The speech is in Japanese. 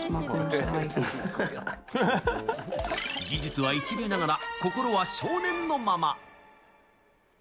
技術は一流ながら心は少年のまま。